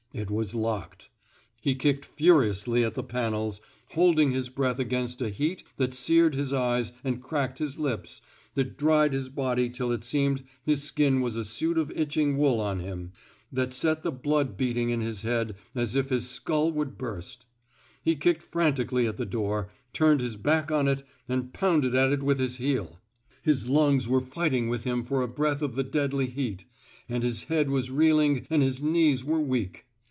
It was locked. He kicked furiously 190 TEAINING '* SALLY '^ WATERS at the panels, holding his breath against a heat that seared his eyes and cracked his lips — that dried his body till it seemed his skin was a suit of itching wool on him — that set the blood beating in his head as if his skull would burst. He kicked frantically at the door, turned his back on it and pounded at it with his heel. His lungs were fighting with him for a breath of the deadly heat, and his head was reeling and his knees were weak.